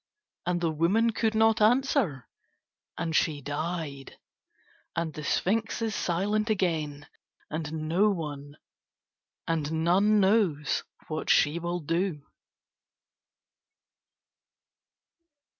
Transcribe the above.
And the woman could not answer, and she died. And the sphinx is silent again and none knows what she will do.